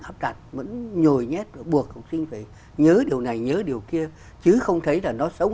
hấp đặt vẫn nhồi nhét và buộc học sinh phải nhớ điều này nhớ điều kia chứ không thấy là nó sống